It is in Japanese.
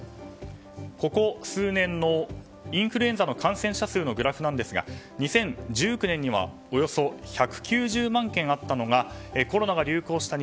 ここ数年のインフルエンザの感染者数のグラフですが２０１９年にはおよそ１９０万件あったのがコロナが流行した